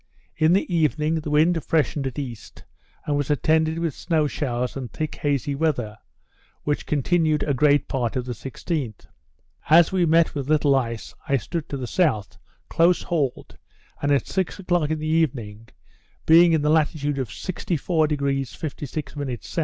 In the evening the wind freshened at east, and was attended with snow showers and thick hazy weather, which continued great part of the 16th. As we met with little ice, I stood to the south, close hauled; and at six o'clock in the evening, being in the latitude of 64° 56' S.